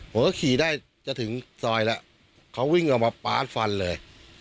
ผมก็ขี่ได้จะถึงซอยแล้วเขาวิ่งออกมาป๊าดฟันเลย